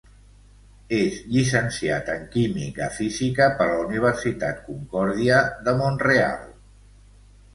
És llicenciat en Química física per la Universitat Concordia de Mont-real.